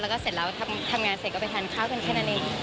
แล้วก็เสร็จแล้วทำงานเสร็จก็ไปทานข้าวกันแค่นั้นเอง